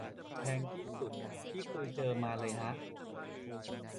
แพงที่สุดที่เคยเจอมาเลยฮะ